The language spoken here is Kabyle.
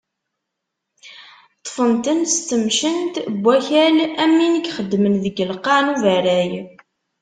Ṭṭfen-ten s temcent n wakal am win i ixeddmen deg lqaε n uberray.